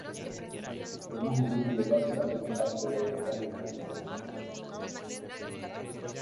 Además, en el mismo lugar se hallaron parte de otro cráneo y una armadura.